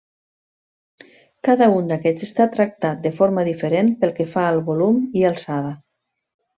Cada un d'aquests està tractat de forma diferent pel que fa al volum i alçada.